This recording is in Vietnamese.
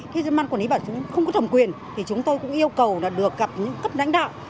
khi mà ban quản lý bảo chúng không có thẩm quyền thì chúng tôi cũng yêu cầu là được gặp những cấp đánh đạo